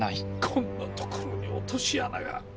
こんなところに落とし穴が。